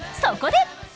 そこで。